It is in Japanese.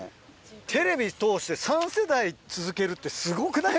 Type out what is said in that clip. テレビ通して３世代続けるってすごくない？